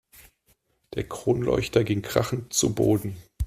Der Kronleuchter ging krachend zu Boden.